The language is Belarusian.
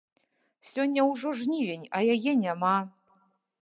Сёння ўжо жнівень, а яе няма.